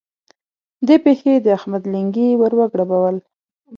دې پېښې د احمد لېنګي ور وګړبول.